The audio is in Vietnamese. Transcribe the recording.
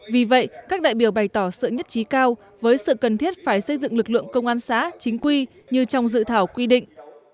vì vậy các đại biểu bày tỏ sự nhất trí cao với sự cần thiết phải xây dựng lực lượng công an xã chính quy như trong dự thảo quy định